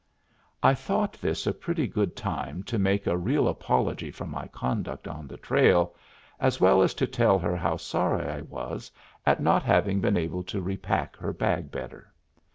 I thought this a pretty good time to make a real apology for my conduct on the trail, as well as to tell her how sorry I was at not having been able to repack her bag better.